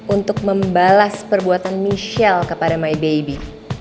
untuk membalas perbuatan michelle kepada my baby